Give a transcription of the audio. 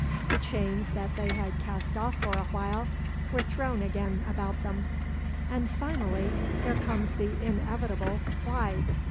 The chains that they had cast off for awhile were thrown again about them. And, finally, there comes the inevitable "why?"